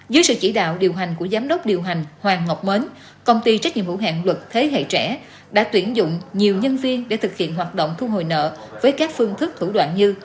dưới sự chỉ đạo điều hành của giám đốc điều hành hoàng ngọc mến công ty trách nhiệm hữu hạng luật thế hệ trẻ đã tuyển dụng nhiều nhân viên để thực hiện hoạt động thu hồi nợ với các phương thức thủ đoạn như